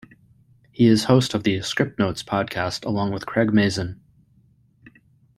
He is host of the "Scriptnotes" podcast along with Craig Mazin.